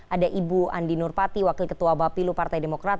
ada ibu andi nurpati wakil ketua bapilu partai demokrat